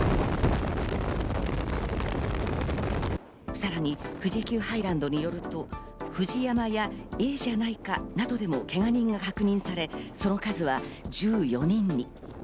さらに富士急ハイランドによると、ＦＵＪＩＹＡＭＡやええじゃないかなどでもけが人が確認され、その数は１４人に。